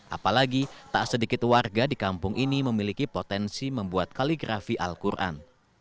apalagi tak sedikit warga di kampung ini memiliki potensi membuat kaligrafi al quran